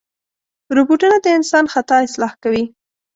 روبوټونه د انسان خطا اصلاح کوي.